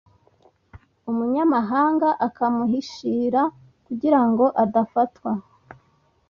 umunyamahanga akamuhishira kugirango adafatwa